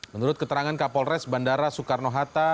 menurut keterangan kapolres bandara soekarno hatta